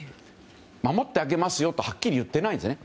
守ってあげますよとはっきり言ってないんですね。